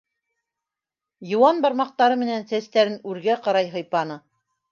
Йыуан бармаҡтары менән сәстәрен үргә ҡарай һыйпаны.